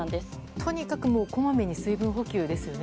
とにかくこまめに水分補給ですよね。